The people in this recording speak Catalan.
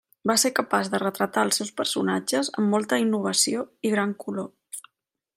Va ser capaç de retratar els seus personatges amb molta innovació i gran color.